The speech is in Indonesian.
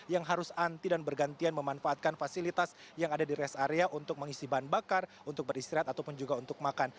yang harus anti dan bergantian memanfaatkan fasilitas yang ada di rest area untuk mengisi bahan bakar untuk beristirahat ataupun juga untuk makan